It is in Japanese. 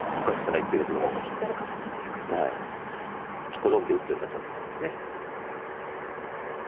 好んで打ってる形だと思います。